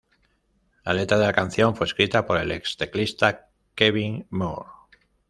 La letra de la canción fue escrita por el ex teclista Kevin Moore.